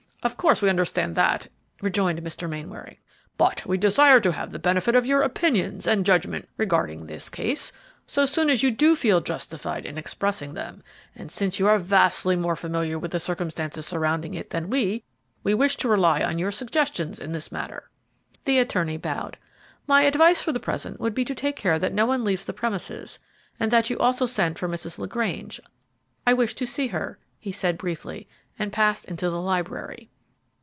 "Of course we understand that," rejoined Mr. Mainwaring; "but we desire to have the benefit of your opinions and judgment regarding this case so soon as you do feel justified in expressing them, and, since you are vastly more familiar with the circumstances surrounding it than we, we wish to rely on your suggestions in this matter." The attorney bowed. "My advice for the present would be to take care that no one leaves the premises, and that you also send for Mrs. LaGrange; I wish to see her," he said briefly, and passed into the library.